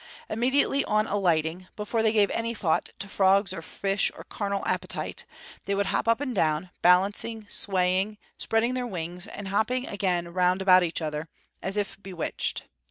Immediately on alighting, before they gave any thought to frogs or fish or carnal appetite, they would hop up and down, balancing, swaying, spreading their wings, and hopping again round about each other, as if bewitched.